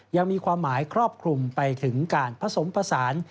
ยังมีความหมายครอบคลุมไปถึงการผสมผสาน